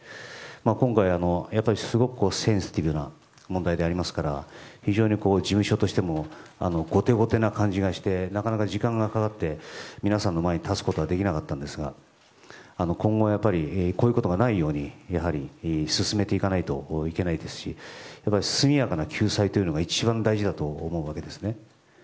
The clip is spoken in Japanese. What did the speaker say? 今回、すごくセンシティブな問題でありますから非常に事務所としても後手後手な感じがしてなかなか時間がかかって皆さんの前に立つことができなかったんですが今後、こういうことがないように進めていかないといけないですし速やかな救済というのが一番大事だと思うわけですね。